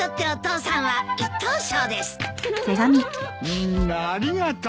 みんなありがとう！